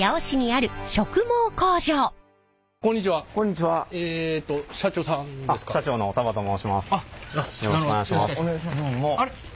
あれ？